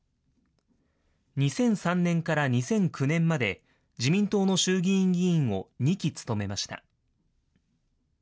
２００３年から２００９年まで、自民党の衆議院議員を２期務めました。